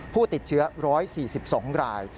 ผู้ติดเชื้อ๑๔๒ราย